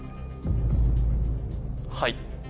はい。